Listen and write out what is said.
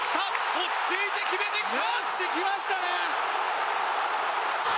落ち着いて決めてきた！